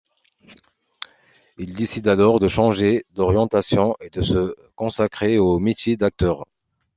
Il décide alors de changer d'orientation et de se consacrer au métier d'acteur.